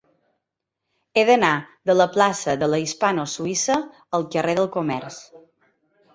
He d'anar de la plaça de la Hispano Suïssa al carrer del Comerç.